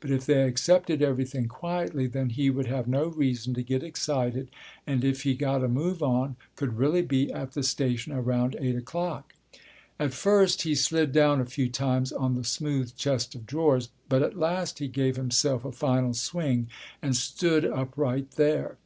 But if they accepted everything quietly, then he would have no reason to get excited and, if he got a move on, could really be at the station around eight o'clock. At first he slid down a few times on the smooth chest of drawers. But at last he gave himself a final swing and stood upright there.